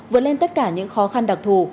vượt lên tất cả những khó khăn đặc thù